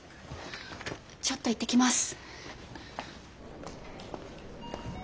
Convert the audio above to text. ちょっと行ってきます。